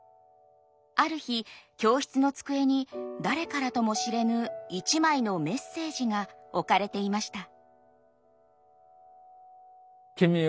ある日教室の机に誰からとも知れぬ一枚のメッセージが置かれていました。